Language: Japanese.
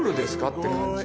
って感じ